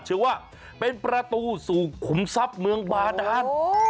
เชื่อว่าเป็นประตูสู่ขุมทรัพย์เมืองบาดาน